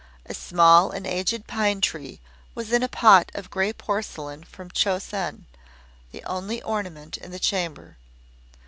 A small and aged pine tree was in a pot of grey porcelain from Chosen the only ornament in the chamber.